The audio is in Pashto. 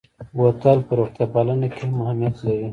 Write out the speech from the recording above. بوتل په روغتیا پالنه کې هم اهمیت لري.